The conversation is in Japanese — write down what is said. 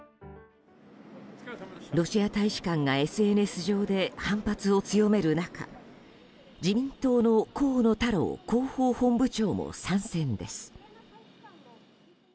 ロシア大使館がＳＮＳ上で反発を強める中自民党の河野太郎広報本部長も参戦です。